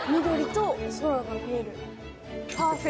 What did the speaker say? が見える。